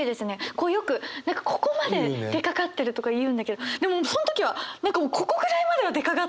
こうよく何かここまで出かかってるとか言うんだけどでもその時はここぐらいまでは出かかってる。